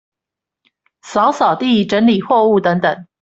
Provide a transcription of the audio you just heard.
掃掃地、整理貨物等等